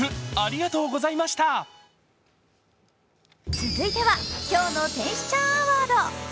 続いては「今日の天使ちゃん」アワード。